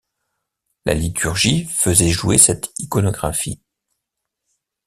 La liturgie faisait jouer cette iconographie.